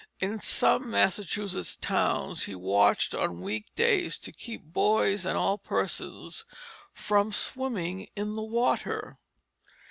In some Massachusetts towns he watched on week days to keep "boys and all persons from swimming in the water."